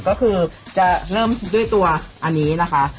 ก็คือจะเริ่มด้วยตัวอันนี้นะคะ